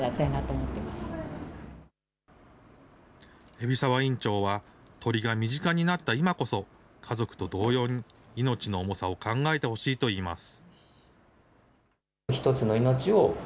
海老沢院長は、鳥が身近になった今こそ、家族と同様に命の重さを考えてほしいといいます。